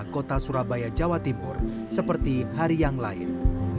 kota surabaya jawa timur seperti hari yang lain